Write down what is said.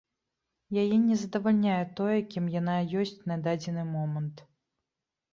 Яе не задавальняе тое, кім яна ёсць на дадзены момант.